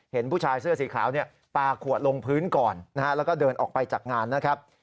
เห็นผู้ชายเสื้อสีขาวปลาขวดลงพื้นก่อนนะฮะแล้วก็เดินออกไปจากงานนะครับ